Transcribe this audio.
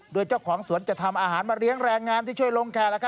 โดยเจ้าของสวนจะทำอาหารมาเลี้ยงแรงงานที่ช่วยลงแคร์